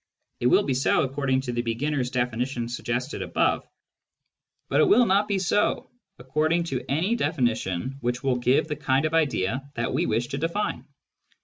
It will be so according to the beginner's definition suggested above, but it will not be so according to any definition which will give the kind of idea that we wish to define.